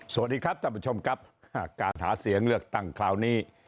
สวัสดีครับท่านผู้ชมครับการหาเสียงเลือกตั้งคราวนี้